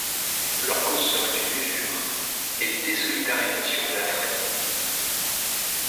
Leur cause serait une usure et désolidarisation de la frette.